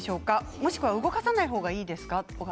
もしくは動かさない方がいいですか。